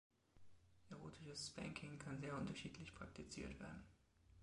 Erotisches Spanking kann sehr unterschiedlich praktiziert werden.